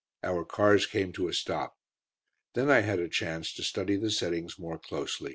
Our cars came to a stop. Then I had a chance to study the settings more closely.